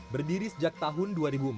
berdiri sejak tahun dua ribu empat